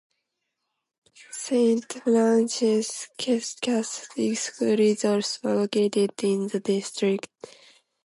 Saint Francis Catholic School is also located in the district.